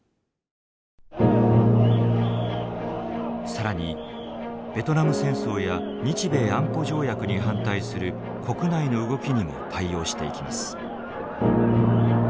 更にベトナム戦争や日米安保条約に反対する国内の動きにも対応していきます。